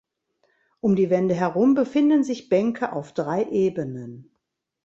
Um die Wände herum befinden sich Bänke auf drei Ebenen.